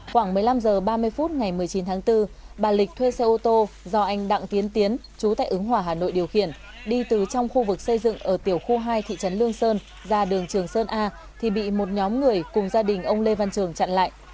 khoảng một mươi năm h ba mươi phút ngày một mươi chín tháng bốn bà lịch thuê xe ô tô do anh đặng tiến tiến chú tại ứng hòa hà nội điều khiển đi từ trong khu vực xây dựng ở tiểu khu hai thị trấn lương sơn ra đường trường sơn a thì bị một nhóm người cùng gia đình ông lê văn trường chặn lại